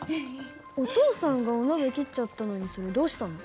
お父さんがお鍋切っちゃったのにそれどうしたの？